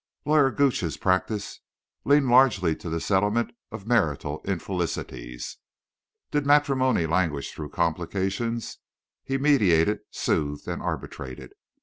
Lawyer Gooch's practice leaned largely to the settlement of marital infelicities. Did matrimony languish through complications, he mediated, soothed and arbitrated.